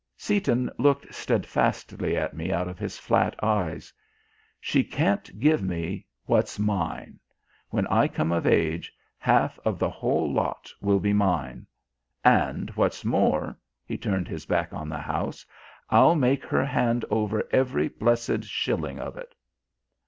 Seaton looked steadfastly at me out of his flat eyes. "She can't give me what's mine. When I come of age half of the whole lot will be mine; and what's more" he turned his back on the house "I'll make her hand over every blessed shilling of it."